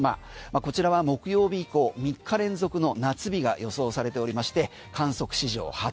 こちらは木曜日以降３日連続の夏日が予想されておりまして観測史上初。